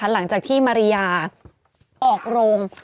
หลังจากที่มาริยาออกโรง